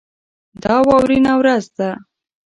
دا واورینه ورځ ده.